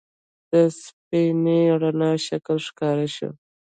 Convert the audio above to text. د سپینې رڼا شکل ښکاره شو.